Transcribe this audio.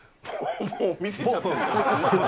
もう見せちゃったよ。